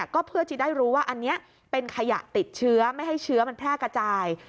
ก็เพื่อจะได้รู้ว่าอันนี้เป็นขยะติดเชื้อไม่ให้เชื้อมันแพร่กระจาย